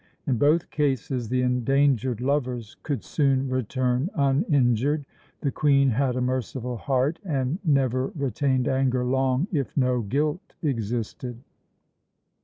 In both cases the endangered lovers could soon return uninjured the Queen had a merciful heart, and never retained anger long if no guilt existed.